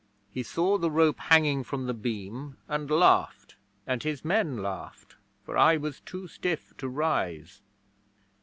He saw the rope hanging from the beam and laughed, and his men laughed, for I was too stiff to rise.